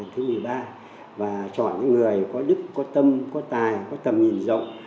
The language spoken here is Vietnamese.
thứ một mươi ba và chọn những người có đức có tâm có tài có tầm nhìn rộng